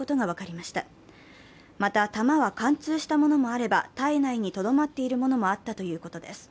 また弾は貫通したものもあれば体内にとどまっているものもあったということです。